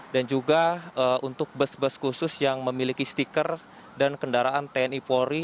dan juga untuk bus bus khusus yang memiliki stiker dan kendaraan tni polri